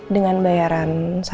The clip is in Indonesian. dengan bayaran satu m atau lebih